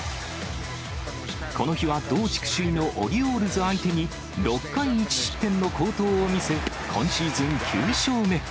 この日は、同地区首位のオリオールズ相手に、６回１失点の好投を見せ、今シーズン、９勝目。